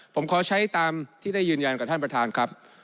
ผมขอใช้ตามที่ได้ยืนยันกับท่านประธานครับ